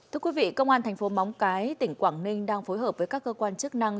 thưa quý vị công an thành phố móng cái tỉnh quảng ninh đang phối hợp với các cơ quan chức năng